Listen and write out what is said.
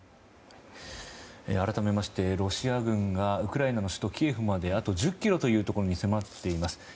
改めましてロシア軍がウクライナの首都キエフまであと１０ｋｍというところまで迫っています。